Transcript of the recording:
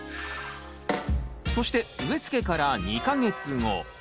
そして植え付けから２か月後。